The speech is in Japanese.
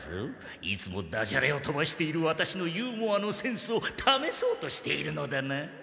いつもダジャレをとばしているワタシのユーモアのセンスをためそうとしているのだな。